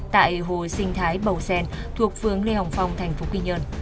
tại hồ sinh thái bầu xen thuộc phường lê hồng phong tp quy nhơn